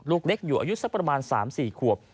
ลูกเล็กอยู่อายุสักประมาณ๓๔ขวบ